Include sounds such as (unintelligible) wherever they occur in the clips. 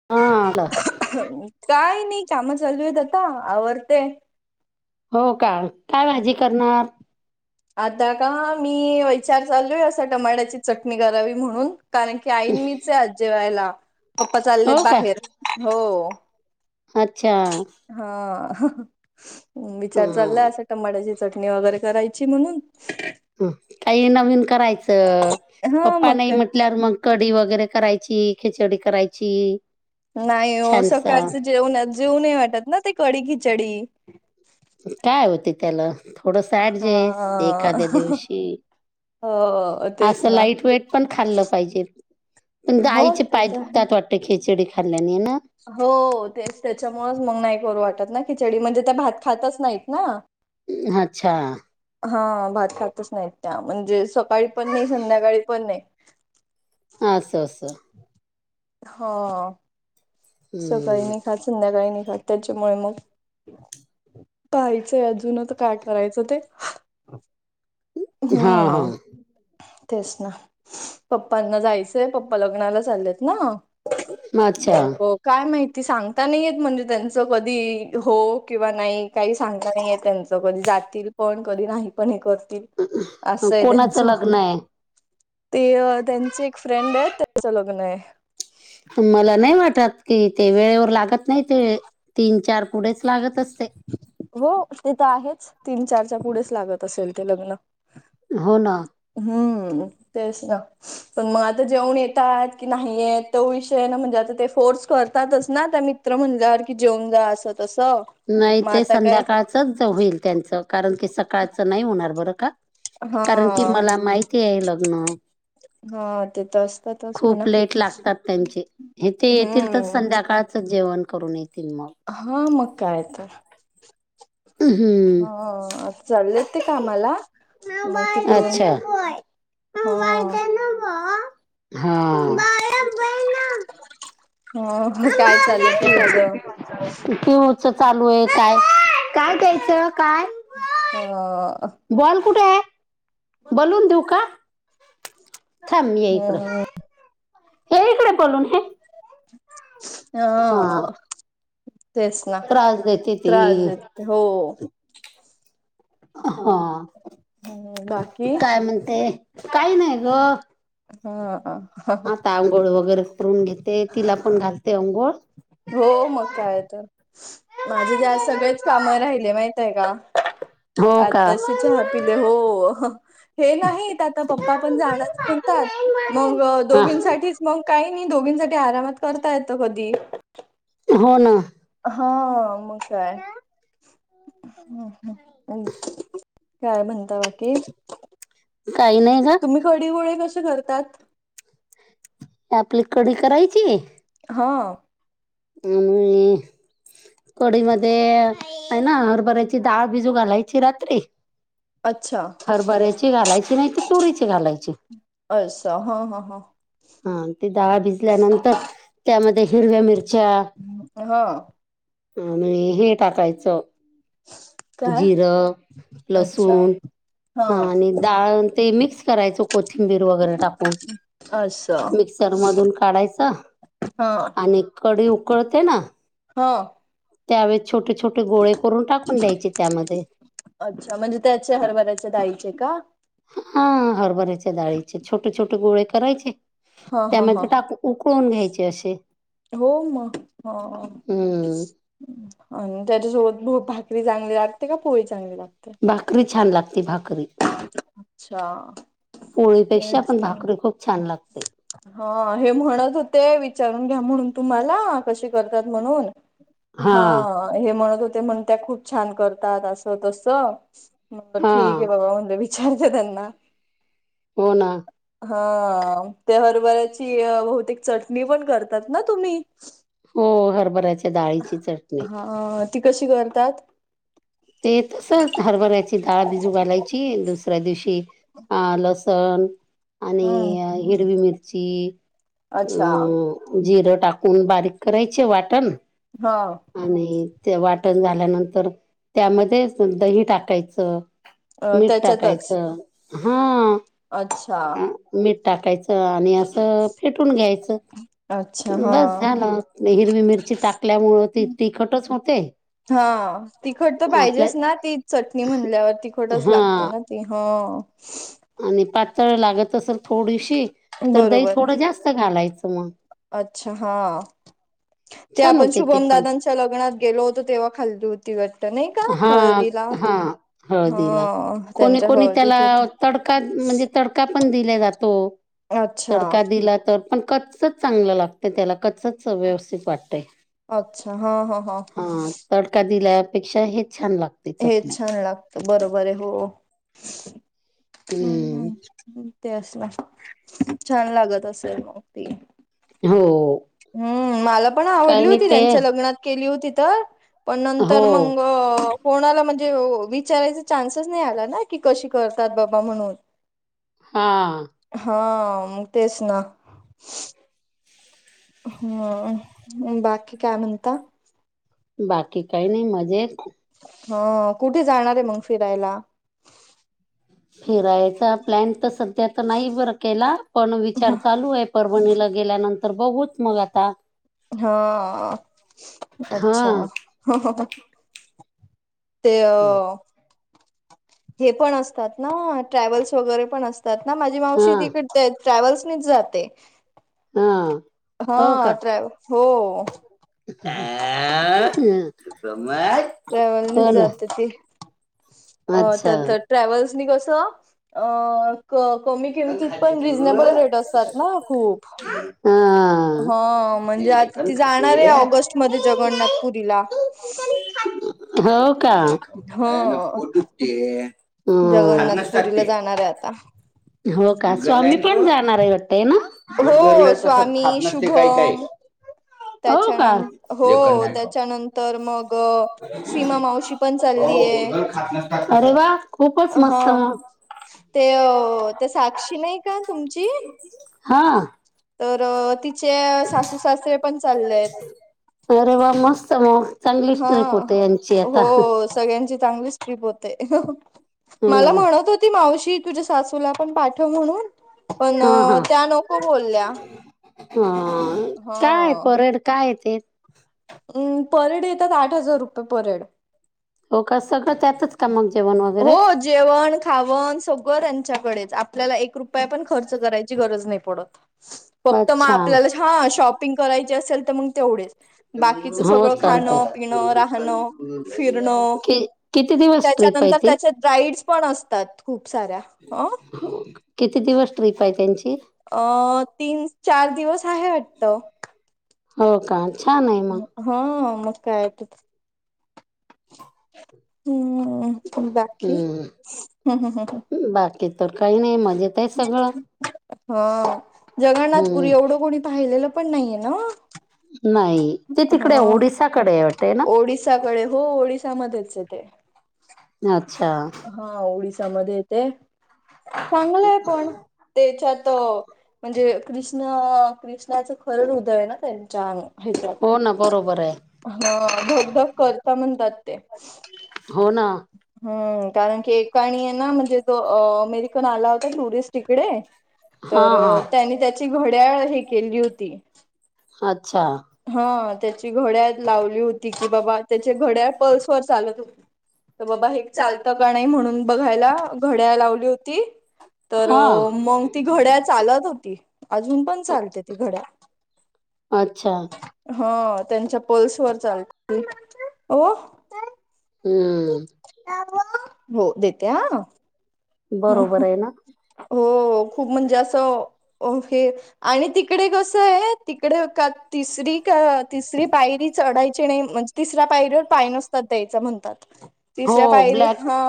(inaudible) आलो. काय नाही काम चालू आहेत, आता आवरते ये. हो कां, काय भाजी करणार. आता का मी विचार चालू आहे, असं टमाट्याची चटणी करावी म्हणून. कारण की आई नी मीच आज जेवायला, पप्पा चालेत हो का बाहेर हो. अच्छा. हा विचार हं, चालाय असा. टमाट्याची चटणी वगैरे करायची म्हणून. ह काही नवीन करायचं, हा पप्पा मग नाही काय म्हटल्यावर मग. कडी वगैरे करायची, खिचडी करायची. नाही हो छानसा सकाळचं जेवण, जेऊ नाही वाटत ना ते कडी खिचडी. काय होते त्याला थोडं अॅडजस एखाद्या हा दिवशी. हो तेच असं ना लाईट वेट पण खाल्लं पाहिजेल. पण हो आईचे ते पाय तर आहे. दुखतात वाटते. खिचडी खाल्ल्याने ना. हो तेच त्याच्यामुळेच मग नाही, करू वाटत ना खिचडी म्हणजे त्या भात खातच नाहीत ना. अच्छा. हा भात खातच नाहीत त्या, म्हणजे सकाळी पण नाही संध्याकाळी पण नाही. असं अस असं. हा.. सकाळी हं. नाय खात संध्याकाळी नाय खात त्यांच्यामुळे मग. पाहायचंय अजूनच काय करायचं ते? हा हंम्म ह. हा तेच ना पप्पांना जायचंय. पप्पा लग्नाला चाललेत ना. मक अच्छा (unintelligible) काय माहिती सांगता नाही आहेत म्हणजे त्यांचं कधी हो किंवा नाही काही सांगता नाही येत त्यांचं. कधी जातील पण कधी नाही पण हे करतील असं आहे त्यांच. कोणाचं लग्न आहे ते त्यांचे एक फ्रेंड आहे, त्याचं लग्न आहे. मला नाही वाटत कि ते, वेळेवर लागत नाही ते. तीन चार पुढेच लागत अस. हो ते तर आहेच. तीन चारच्या पुढेच लागत असेल ते लग्नं. हा ना. हम्म. तेच ना. पण मग आता जेवण येतात की नाहीय. तो विषय ना म्हणजे आता ते फोर्स करतातच ना त्यांनी. मित्र म्हटला जेवून जा असं तसं. नाही मग ते आता काय संध्याकाळचच होईल त्यांचं, कारण की सकाळचं नाही होणार बरं का. हा कारण की मला माहिती आहे लग्न. हा ते तर असतातच म्हणा. खूप लेट लागतात त्यांचे हे ते येतील तर हम्म. संध्याकाळ जेवण करून येतील मग. हा मग काय तर. हंम. हंम. हो आता चाललेत ते कामाला. मग तिकडून अच्छा ह.. हा. हो काय चालय पियुच. (unintelligible) चालूय आहे काय काय घ्यायचं काय. ह.. बॉल कुठे आहे बलून देऊ का? थांब म हे इकडं. हम्म ये इकडे पळून हे हा तेच ना त्रास देते ती त्रास देते हो. ह.. हम्म बाकी काय म्हणते काही नाही गं. हा. हहहह. आंघोळ वगैरे करून घेते तिला पण घालते अंघोळ. हो मग काय तर? माझं ते आज सगळेच काम राहिले माहित आहे का? हो का आताशी चहा पिले हो. हे नाहीत आता पप्पा पण जाणार म्हणतात मग हा. दोघींसाठीच. मग काही नाही दोघींसाठी आरामात करता येत कधी. हो ना. हा मग काय? ह ह काय म्हणता बाकी? काही नाही गं. तुम्ही कडी गोळे कसे करतात. आपली कढी करायची. हां. (unintelligible) कढई मध्ये आहे ना, हरभऱ्याची डाळ भिजू घालायची रात्री अच्छा हरभऱ्याची घालायची नाही तर तुरीची घालायची. अस हा हा हा. हा ते डाळ भिजल्यानंतर त्यामध्ये हिरव्या मिरच्या, हां. आणि हे टाकायचं. काय जिर, अच्छा लसुन, हा आणि डाळ ते मिक्स करायचं कोथिंबीर वगैरे टाकून. असं मिक्सर मधून काढायच. हा आणि कडी उकळते ना. हं. त्यावेळेस छोट छोटे. गोळे करून टाकून द्यायचे त्यामध्ये. अच्छा म्हणजे त्याचे हरभऱ्याच्या डाळीचे का हा हरभरीच्या डाळीचे छोटे छोटे गोळे करायचे हा हा हा त्यामध्ये टाकून. उकळून घ्यायचे असे. हो मग हो. हम्म आणि त्याच्यासोबत भाकरी चांगली लागते का पोळी चांगली लागते. भाकरी छान लागते भाकरी. अच्छा. पोळीपेक्षा तेच पण ना भाकरी खूप छान लागते. हा हे म्हणत होते विचारून घ्या म्हणून तुम्हाला कशी करतात म्हणून. हा हे म्हणत होते म्हण त्या खूप छान करतात असं तस. मग हा ठीक आहे बाबा म्हटलं विचारते त्यांना. हो ना. हा ते हरभऱ्याची बहुतेक चटणी पण करतात ना तुम्ही. हो हरभराच. हा ती कशी करतात. ते तसच हरभरायची डाळबिजू घालायची दुसऱ्या दिवशी. आल लसण आणि हम्म हिरवी अच्छा मिरचीअ जिरं टाकून बारीक करायचे वाटण. हं. आणि ते वाटण झाल्यानंतर त्यामध्ये दही टाकायचं. अ, मीठ त्याच्यातच टाकायचं हा. अच्छा. मीठ टाकायचं आणि असं फेटून घ्यायचं. अच्छा हा बस झालं हिरवी मिरची टाकल्यामुळे ती तिखटच होते. हा तिखट तर आपल्या पाहिजेच ना ती चटणी म्हणल्यावर तिखटच हा लागते ना. ते हं. आणि पातळ लागत असलं थोडीशी तर दही बरोबर आहे. थोडं जास्त घालायचं मग. अच्छा हा ते छान आपण होते ते शुभम ददांच्या पण त्याच्या लग्नात गेलो होतो तेव्हा खाल्ली होती. घट्ट नाही का हां, हळदीला हां. हळदीला. ह त्यांच्या कोणी-कोणी त्याला हळदीत होती. तडका म्हणजे... तडका पण दिला जातो, अच्छा तडका दिला तर... पण कच्चच चांगल लागतय त्याला कच्च... व्यवस्थित वाटतय.... अच्छा हा हा हा.. तडका दिल्या.. पेक्षा हे छान लागत. हे छान लागत बरोबर आहे हो. हम् हं. हम. ती असलं. छान लागत असेल मग ती. हो. हम्म. मला पण काही आवडली नाही होती, ते त्यांच्या लग्नात केली होती तर. पण हो. नंतर मंग, कोणाला म्हणजे विचारायचा चान्सच नाही आला,, ना की कशी करतात बाबा म्हणून.. हा... हा मग, तेच ना. हम्म. बाकी काय म्हणता. बाकी काही नाही मजेत. हः.. हो कुठे जाणार आहे. मंग फिरायला. फिरायचा प्लॅन तर सध्या तर नाही बर केला. पण विचार चालू ये. परभणीला गेल्यानंतर बघुच मग आता. हा... अच्छा. हां. हहहहहहह. ते हे पण असतात ना, ट्रॅवल्स वगैरे पण असतात. माझी मावशी हां, तिकडे ट्रॅव्हल्सनीच जाते. हां. हो का हा.. आ, ट्रॅव्ह हो.. (unintelligible) हो ट्रॅव्हलनीच ना जाते ती आता अच्छा तर. ट्रॅव्हल्सनी कस अ... क कमी लेखन किमतीत खाते पण तू रिजनेबल रेट असतात ना खूप. हा. हा ते म्हणजे आता लेखन ती खाते जाणार आहे ऑगस्ट. मध्ये जगन्नाथपुरीला. हो का ह याने पोट दुखणे. हा जगन्नाथपुरीला जाणार आहे (unintelligible) आता हो का, स्वामी पण जाणार आहे वाटत ना, हो गुड गर्ल तसं स्वामी खात नसते काही काही. हो त्याच्यान का हो लेखन नाही खाऊ त्याच्यानंतर मग सीमा मावशी. पण हो चाललीये. गुडगर खात नसतात अरे वा.. खूपच हं मस्त हं मग ते अ अ... तर साक्षी नाही का तुमची. हा. तर अ... तिचे... सासू सासरे पण चालेत. अरे वा! मस्त मग चांगलीच हा ट्रीप होते यांची आता. हो सगळ्यांची चांगलीच. चीप होते. ना. मला म्हणत होती मावशी तुझ्या सासूला पण पाठव म्हणून. पणअ... त्या नको बोल्या ह.. काय परेड काय ये ते. पर हेड येतात आठ हजार रुपये पर हेड. हो का सगळं त्यांतच का मग जेवण वगैरे. हो जेवण खावण सगळं त्यांच्याकडेच, आपल्याला एक रुपया पण खर्च करायची गरज नाही पडत. फक्तं मग अच्छा आपल्याला हा.. शॉपिंग करायचे असेल तर मग तेवढेच. बाकीच हो सगळं चालते. खाणं पिणं राहणं फिरणं. कि किती दिवस ट्रिप आहे त्याच्यानंतर ती? त्याच्यात राईड्स पण असतात. खूप साऱ्या हो. किती दिवस ट्रिप आहे त्यांची. अ तीन चार दिवस आहे वाटतं. हो का, छान आहे मग. हम.. मग काय ते तर. (inaudible) हम्म बाकी हम् हम्म हम् हम्.. ती तर काही नाही मजेत. आहे सगळं हा जगन्नाथपुरी हम्म. एवढं कोणी पाहिलेलं, पण नाहीये ना. नाही ते तिकडे ह ओडिसाकडे वाटते ना. ओडिसाकडे हो, ओडिसामध्येच आहे ते. अच्छा. हा ओडिसा मध्ये येतेय. चांगलंय पण तेच्यात म्हणजे कृष्ण कृष्णाच खरं हृदय आहे. ना त्यांच्या अंगा हेच्यात हो ना बरोबर आहे हा.. धगधग करत म्हणतात ते. हो ना. हम्म कारण की एकाणे आहे ना म्हणजे, जो अ अमेरिकन आला होता टुरिस्ट इकडे. हा तर हा त्यांनी त्यांची घड्याळ हे केली होती. अच्छा. हा त्यांची घड्याळ लावली होती. की बाबा त्याची घड्याळ प्लसवर चालत होती. तर बाबा हे चालतं का नाही म्हणून बघायला. घड्याळ लावली होती. तर हा मग ती घड्याळ चालतं होती. अजून पण चालते ती घड्याळ. अच्छा. हा.. त्यांच्या पल्स वर चालते. ओ. हम्म.. हो देते. आ.. हो बरोबर खूप आहे ना ओ खूप म्हणजे असं ओ फ हे. आणि तिकडे कसं आहे. तिकडे तिसरी का तिसरी पायरी चढायची नाही म्हणजे. तिसऱ्या पायरीवर पाय नसतात द्यायचं म्हणतात. हो तिसऱ्या पायरी ब्लॅक हा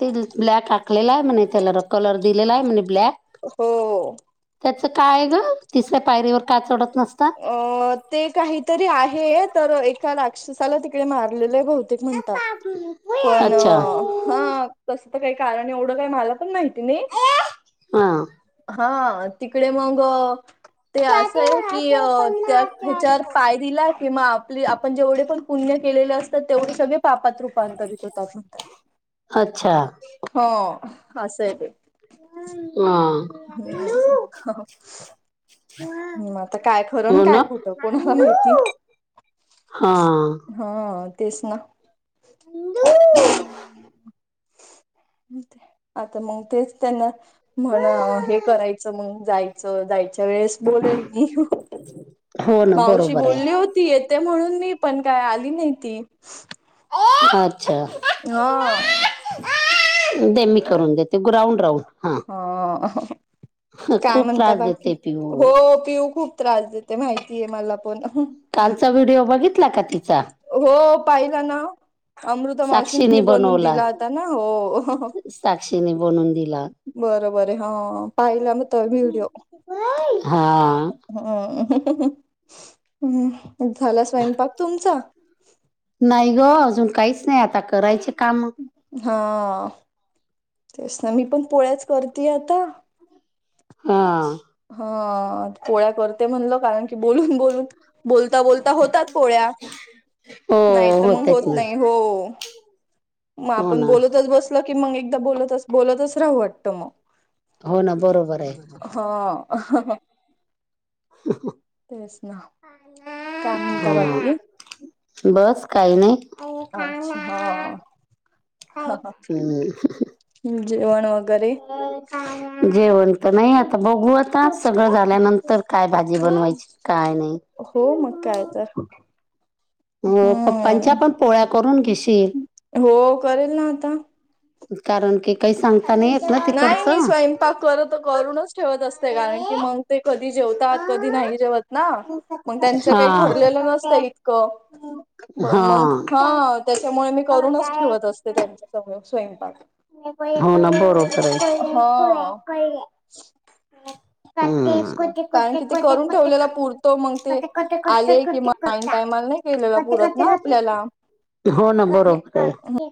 ते ब्लॅक आकलेला आहे. म्हणे त्याला र कलर दिलेला आहे. म्हणे ब्लॅक. हो.. त्याचं काय गं तिसऱ्या पायरीवर का चढत नसता. अ ते काहीतरी आहे. तर एका राक्षसाला तिकडे मारलेले. बहुतेक म्हणतात. पण अच्छा हं.. तसं तर काही कारण एवढं काही, मला पण माहिती नाही. आं.. हा तिकडे मगं. ते असंय की, अ त्या हेच्या पायरीला. की आपले आपण जेवढे पण, पुण्य केलेले असतात तेवढे सगळे. पापात रूपांतरित होतात म्हणतात. अच्छा हो असं आहे ते. आ.. हम्म. हम्म आता काय खरंण हो ना काय खोटं कोणाला माहिती. हा. हा तेच ना. आता मंग तेच त्यांना ना हे करायचं मांग जायचं जायचं त्याच्या वेळेस बोलेल मी हो ना मावशी बरोबर बोलली आहे होती ये त्या म्हणून मी पण काय आली नाही ती. अच्छा हां. दे मी करून देते ग्राउंड राऊंड हा. हा काय खूप म्हणता त्रास बाकी देते पिऊ हो पिऊ खूप त्रास देत. ते माहितीय मला पण. कालचा व्हिडिओ बघितला का ती? हो पाहिला ना. अमृता मावशींनी साक्षीने बनवून दिला होता ना हो. साक्षीनी बनवून दि बरोबर आहे हा पाहिला मी त्या व्हिडिओ. हा हां झाला स्वयंपाक तुमचा? नाही गं अजून काहीच नाही आता करायचे कामं. हा. तेच ना मी पण पोळ्याच करती आता. हां. हा पोळ्या करते म्हणलं कारण की बोलून बोलून बोलता बोलता होतात पोळ्या. ओ नाही तर मंग होत नाही हो म हो आपण ना बोलतच बस तलं की मग एकदा बोलतच बोलतच राहू वाटतं म. हो ना बरोबर आहे. हा. तेच ना काय म्हणता बाकी (unintelligible) बस काही नाही अच्छा हा. हम्म. हम्म जेवण वगैरे जेवण तर नाही आता बघू आता सगळं झाल्यानं तर काय भाजी बनवायची काय नाही. हो मग काय तर. म पप्पांच्या हम्म पण पोळ्या करून घेशील. हो करेल ना आता. कारण की काही सांग नाही मी स्वयंपाक करत करूनच ठेवत असते कारण की मंग ते कधी जेवतात कधी नाही जेवत ना मग त्यांचं काही हा. ठरलेलं नसतं इतकं. बन मंग हा त्याच्यामुळे मी करूनच ठेवत असते त्यांच्या. सगळं स्वयंपाक हो ना बरोबर आहे. हा तेच ना कारण की ते करून ठेवलेला पुरतो मग ते आले कि मग ऐन टायमाला नाही केलेला पुरत ना आपल्याला हम्म. हो ना बरोबर आहे. ते